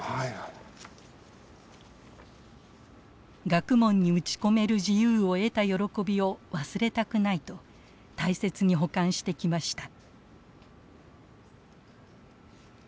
学問に打ち込める自由を得た喜びを忘れたくないと大切に保管してきました。